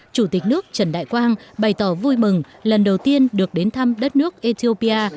chủ tịch nước trần đại quang bày tỏ vui mừng lần đầu tiên được đến thăm đất nước ethiopia